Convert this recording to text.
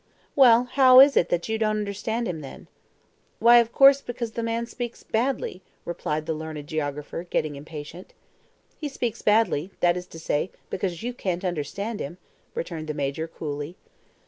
"Well, how is it that you don't understand him then?" "Why, of course, because the man speaks badly," replied the learned geographer, getting impatient. "He speaks badly; that is to say, because you can't understand him," returned the Major coolly.